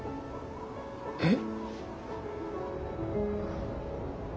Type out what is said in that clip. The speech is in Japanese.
えっ？